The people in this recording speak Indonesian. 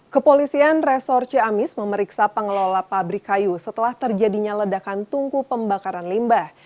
kepolisian resor ciamis memeriksa pengelola pabrik kayu setelah terjadinya ledakan tungku pembakaran limbah